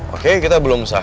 oke kita belum sah